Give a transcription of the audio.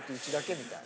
みたいな。